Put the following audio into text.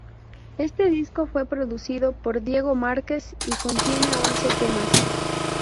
Este disco fue producido por Diego Márquez y contiene once temas.